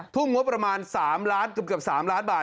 ทุ่มงบประมาณ๓ล้านบาท